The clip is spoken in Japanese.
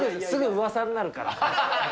すぐうわさになるから。